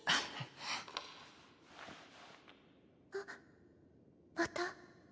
あっまた。